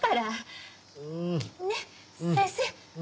ねっ先生。